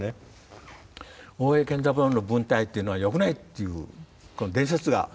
大江健三郎の文体っていうのはよくないっていう伝説があって。